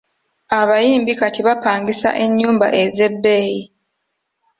Abayimbi kati bapangisa ennyumba ez’ebbeeyi.